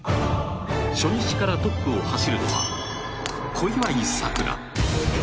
初日からトップを走るのは小祝さくら。